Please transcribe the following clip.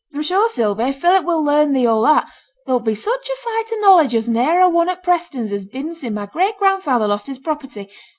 'I'm sure, Sylvie, if Philip will learn thee all that, thou'lt be such a sight o' knowledge as ne'er a one o' th' Prestons has been sin' my great grandfather lost his property.